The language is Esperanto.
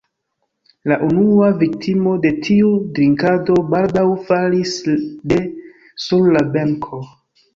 La unua viktimo de tiu drinkado baldaŭ falis de sur la benko.